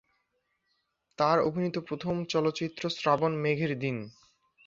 তার অভিনীত প্রথম চলচ্চিত্র শ্রাবণ মেঘের দিন।